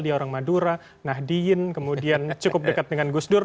dia orang madura nahdiyin kemudian cukup dekat dengan gus dur